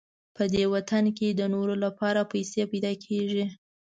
په دې وطن کې د نورو لپاره پیسې پیدا کېږي.